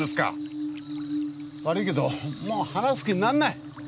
悪いけどもう話す気になんない。